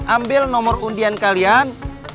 ambil nomor undian kalian